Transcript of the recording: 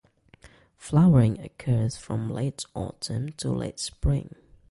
Flowering occurs from late autumn to late spring.